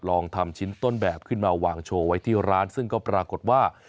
ลองทำชิ้นต้นแบบขึ้นมาวางโชว์ไว้ที่ร้านซึ่งก็ปรากฏว่า